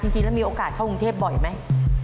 จริงแล้วมีโอกาสเข้ากรุงเทพบ่อยไหม